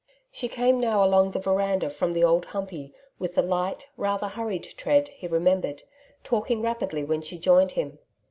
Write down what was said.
She cam now along the veranda from the Old Humpey with the light, rather hurried tread he remembered, talking rapidly when she joined him.